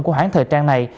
của hãng thời trang này